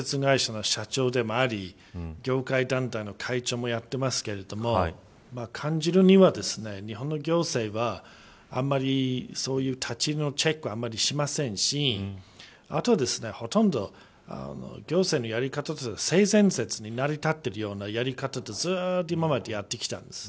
私も建設会社の社長でもあり業界団体の会長もやっていますけれども感じるには、日本の行政はあんまり、そういう立ち入りのチェックはしませんしあと、ほとんど行政のやり方としては性善説に成り立っているようなやり方でずっと今までやってきたんです。